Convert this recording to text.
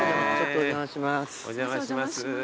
お邪魔します。